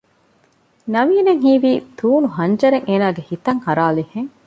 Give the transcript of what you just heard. ނަވީނަށް ހީވީ ތޫނު ހަންޖަރެއް އޭނާގެ ހިތަށް ހަރާލިހެން